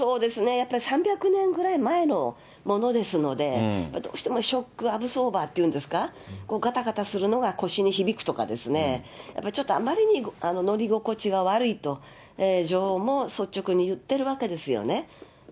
やっぱり３００年ぐらい前のものですので、どうしてもショックアブソーバーっていうんですか、がたがたするのが腰に響くとかですね、ちょっとあまりに乗り心地が悪いと、女王も率直に言ってるわけですよね。